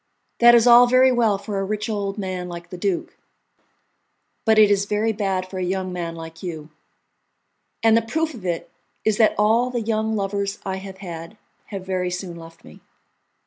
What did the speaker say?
That is all very well for a rich old man like the duke, but it is very bad for a young man like you, and the proof of it is that all the young lovers I have had have very soon left me."